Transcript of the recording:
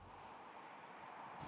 phát biểu về báo giới